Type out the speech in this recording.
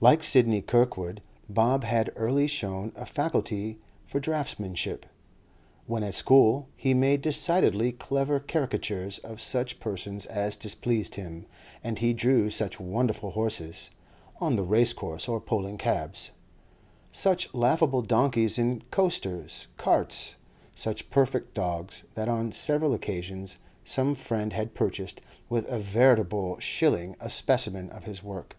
Like Sidney Kirkwood, Bob had early shown a faculty for draughtsmanship; when at school, he made decidedly clever caricatures of such persons as displeased him, and he drew such wonderful horses (on the race course or pulling cabs), such laughable donkeys in costers' carts, such perfect dogs, that on several occasions some friend had purchased with a veritable shilling a specimen of his work.